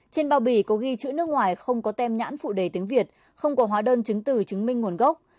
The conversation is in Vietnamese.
trên bao bì có ghi chữ nước ngoài không có tem nhãn phụ đề tiếng việt không có hóa đơn chứng từ chứng minh nguồn gốc